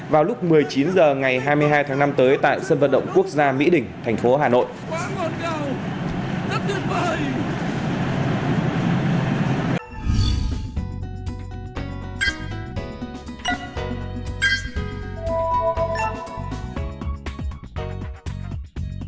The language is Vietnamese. vào lúc một mươi chín h ngày hai mươi hai tháng năm tới tại sân vận động quốc gia mỹ đình thành phố hà nội